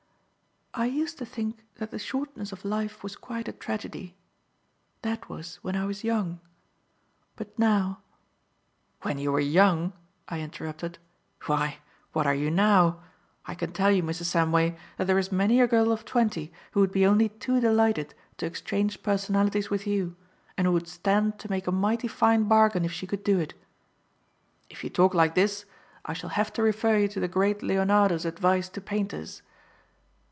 "I used to think that the shortness of life was quite a tragedy. That was when I was young. But now " "When you were young!" I interrupted. "Why, what are you now? I can tell you, Mrs. Samway, that there is many a girl of twenty who would be only too delighted to exchange personalities with you, and who would stand to make a mighty fine bargain if she could do it. If you talk like this, I shall have to refer you to the great Leonardo's advice to painters."